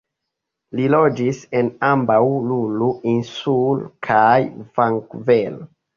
Li loĝis en ambaŭ Lulu-insulo kaj Vankuvero.